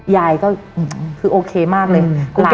ยายก็คือโอเคมากเลย